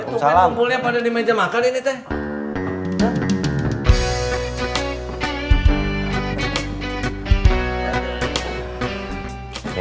ini tukangnya kumpulnya pada di meja makan ini teh